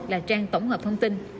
là trang tổng hợp thông tin